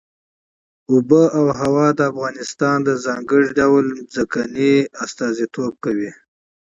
آب وهوا د افغانستان د ځانګړي ډول جغرافیه استازیتوب کوي.